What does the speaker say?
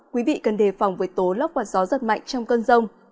quý vị cần đề phòng với tố lốc và gió giật mạnh trong cơn rông